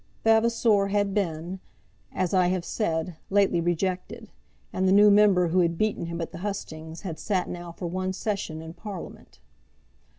Vavasor had been, as I have said, lately rejected, and the new member who had beaten him at the hustings had sat now for one session in parliament.